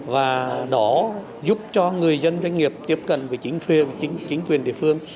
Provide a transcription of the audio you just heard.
và đó giúp cho người dân doanh nghiệp tiếp cận với chính quyền và chính quyền địa phương